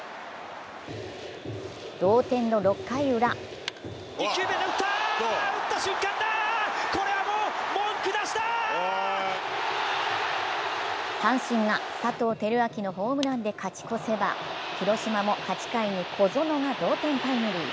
同点の６回ウラ阪神が佐藤輝明のホームランで勝ち越せば、広島も８回に小園が同点タイムリー。